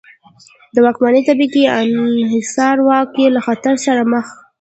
د واکمنې طبقې انحصاري واک یې له خطر سره مخ کاوه.